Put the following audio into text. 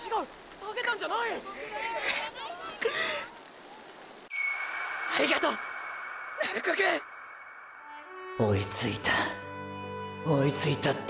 追いついた追いついたった。